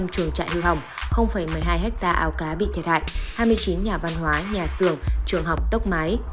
tám mươi năm chuồng trại hư hỏng một mươi hai hectare ảo cá bị thiệt hại hai mươi chín nhà văn hóa nhà xường chuồng học tốc máy